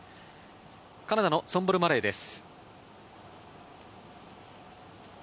カナダのソンボル・マレーです。